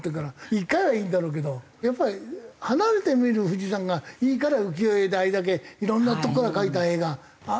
１回はいいんだろうけどやっぱり離れて見る富士山がいいから浮世絵であれだけいろんなとこから描いた絵が残ってるんで。